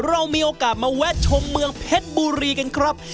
เรามีโอกาสมาแวะชมเมืองเพชรบุรีกันครับ